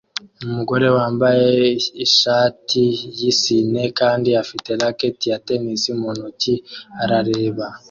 Umugore wambaye ishati yisine kandi afite racket ya tennis mu ntoki arareba